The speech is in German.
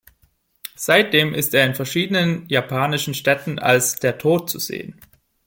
Seitdem ist er in verschiedenen japanischen Städten als "Der Tod" zu sehen.